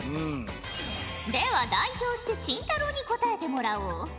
では代表して紳太郎に答えてもらおう。